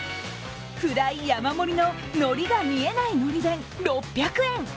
フライ山盛りの、のりが見えないのり弁、６００円。